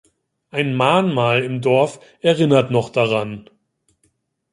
Ein Mahnmal im Dorf erinnert noch daran.